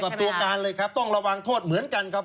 เทียบเท่ากับตัวการเลยครับต้องระวังโทษเหมือนกันครับ